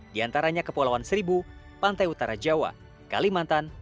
di antaranya kepulauan seribu pantai utara jawa kalimantan